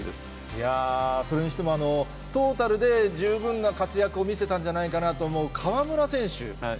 いやー、それにしても、トータルで十分な活躍を見せたんじゃないかなと思う河村選手。